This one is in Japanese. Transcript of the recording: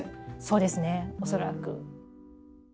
そうですね恐らく。